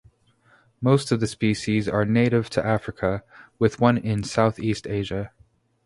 Most of the species are native to Africa, with one in Southeast Asia.